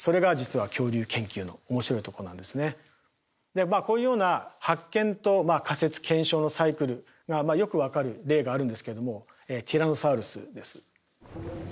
でまあこういうような発見と仮説検証のサイクルがよく分かる例があるんですけれどもティラノサウルスです。